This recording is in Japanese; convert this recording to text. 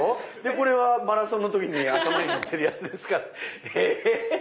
これはマラソンの時に頭にのせるやつですから。